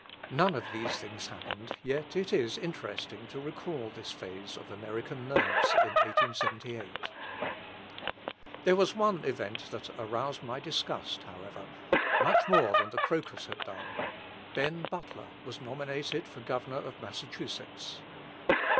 None of these things happened, yet it is interesting to recall this phase of American nerves in 1878. There was one event that aroused my disgust, however, much more than the croakers had done Ben Butler was nominated for Governor of Massachusetts.